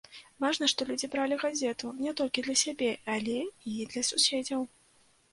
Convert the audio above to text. Важна, што людзі бралі газету не толькі для сябе, але і для суседзяў.